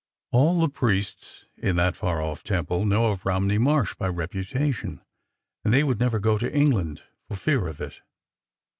All the priests in that far off temple know of Romney Marsh by reputation, and they would never go to Eng land for fear of it.